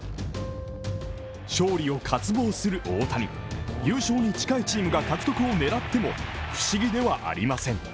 勝利を渇望する大谷、優勝に近いチームが獲得を狙っても不思議ではありません。